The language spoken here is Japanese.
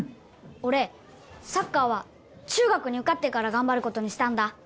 俺サッカーは中学に受かってから頑張ることにしたんだ。